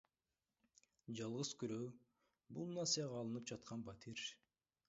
Жалгыз күрөө — бул насыяга алынып жаткан батир.